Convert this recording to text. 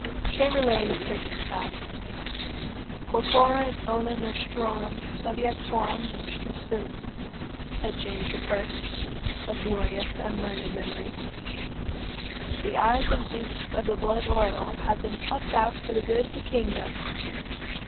Chamberlayne asserts the fact. Corpora et bona nostrorum subjectorum nostra sunt, said James I., of glorious and learned memory. The eyes of dukes of the blood royal have been plucked out for the good of the kingdom.